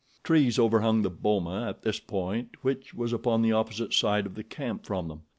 Trees overhung the boma at this point which was upon the opposite side of the camp from them.